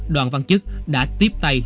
đoàn văn chức đã tiếp tay